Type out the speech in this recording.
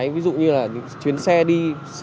ví dụ như chuyến xe đi